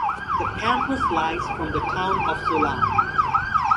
The campus lies from the town of Solan.